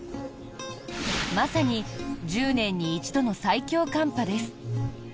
まさに１０年に一度の最強寒波です。